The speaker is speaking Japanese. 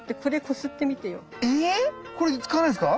これ使わないですか？